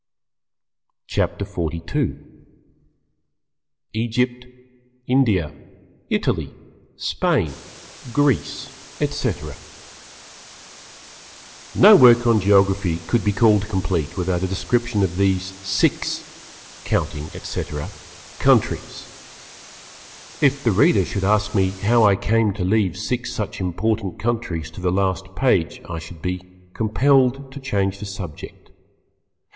CHAPTER XLII EGYPT, INDIA, ITALY, SPAIN, GREECE, ETC. No work on Geography could be called complete without a description of these six (counting, etc.) countries. If the Reader should ask me how I came to leave six such important countries to the last page, I should be compelled to change the subject.